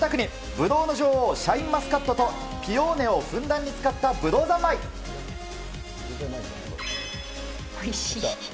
ぶどうの女王、シャインマスカットとピオーネをふんだんに使ったぶどう三おいしい。